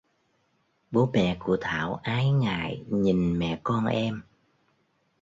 Bố mẹ của Thảo ái ngại nhìn mẹ con em